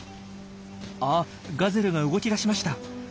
あっガゼルが動き出しました。